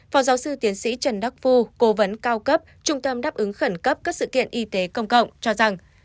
phó giáo sư tiến sĩ trần đắc phu cố vấn cao cấp trung tâm đáp ứng khẩn cấp các sự kiện y tế công cộng cho rằng